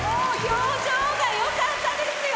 表情がよかったですよ。